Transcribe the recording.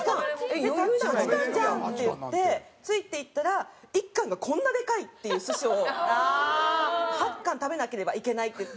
たった８貫じゃん！っていってついて行ったら１貫がこんなでかいっていう寿司を８貫食べなければいけないっていって。